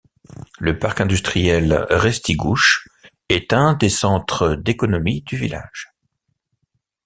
Le Parc Industriel Restigouche est un des centres d'économie du village.